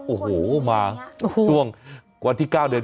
โอ้โหมาวันที่๙เดือน๙